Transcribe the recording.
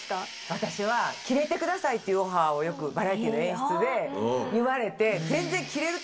私はキレてくださいっていうオファーをよくバラエティーの演出で言われて。と思っても変なタイミングで。